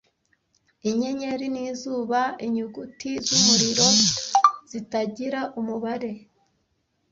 inyenyeri n'izuba inyuguti z'umuriro zitagira umubare